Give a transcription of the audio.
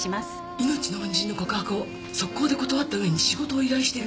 命の恩人の告白を即行で断ったうえに仕事を依頼してる。